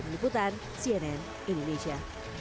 dibutal cnn indonesia